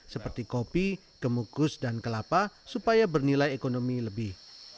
seperti kopi gemukus dan kelapa supaya bernilai ekonomi lebih